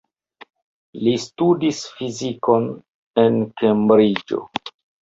Li studis fizikon en Kembriĝo.